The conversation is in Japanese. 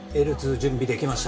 準備できました